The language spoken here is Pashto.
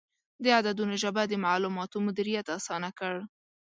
د عددونو ژبه د معلوماتو مدیریت اسانه کړ.